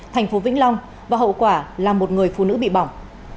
thành phố vĩnh long và hậu quả là một người phụ nữ bị bỏng